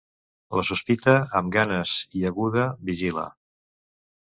La sospita, amb ganes i aguda, vigila.